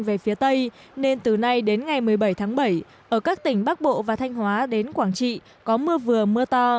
về phía tây nên từ nay đến ngày một mươi bảy tháng bảy ở các tỉnh bắc bộ và thanh hóa đến quảng trị có mưa vừa mưa to